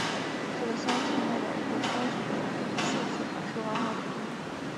这个镶嵌代表一个双曲的四次反射万花筒。